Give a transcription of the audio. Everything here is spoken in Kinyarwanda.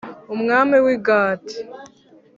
Umwami w i gati